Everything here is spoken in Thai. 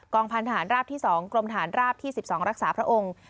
กองพันธานราบที่สองกรมธานราบที่สิบสองรักษาพระองค์